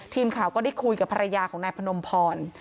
ทีมข่าวก็ได้คุยกับภรรยาของนายพนมพร